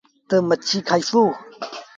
تا مڇي کآئيسو۔